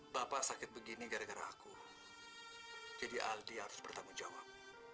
bapak sakit begini gara gara aku jadi aldi harus bertanggung jawab